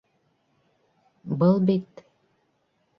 Был бит...